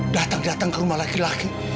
datang datang ke rumah laki laki